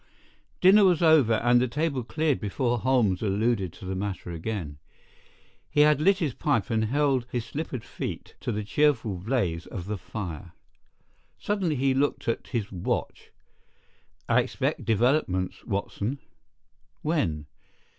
Dinner was over, and the table cleared before Holmes alluded to the matter again. He had lit his pipe and held his slippered feet to the cheerful blaze of the fire. Suddenly he looked at his watch. "I expect developments, Watson." "When?"